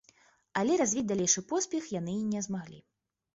Але развіць далейшы поспех яны не змаглі.